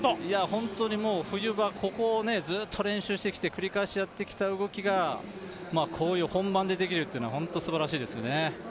本当にもう冬場、ここをずっと練習してきて繰り返しやってきた動きがこういう本番でできるのは本当、すばらしいですよね。